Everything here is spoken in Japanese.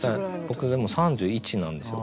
僕でも３１なんですよ。